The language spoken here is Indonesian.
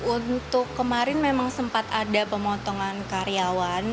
untuk kemarin memang sempat ada pemotongan karyawan